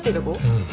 うん。